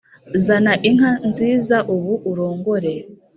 Zana inka nziza ubu urongore.